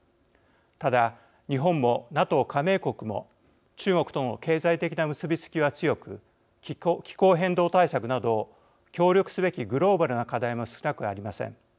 ただ、日本もＮＡＴＯ加盟国も中国との経済的な結び付きは強く気候変動対策など協力すべきグローバルな課題も少なくありません。